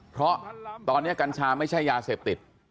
เพราะตอนนี้กัญชาไม่ใช่ยาเสพติด